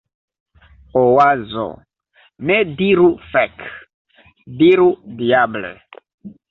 Oazo: "Ne diru "Fek!". Diru "Diable!""